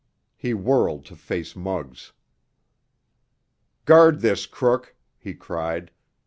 He whirled to face Muggs. "Guard this crook!" he cried.